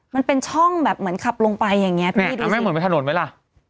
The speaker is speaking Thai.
มันเป็นช่องแบบเหมือนขับลงไปอย่างเงี้พี่ดูไม่เหมือนเป็นถนนไหมล่ะ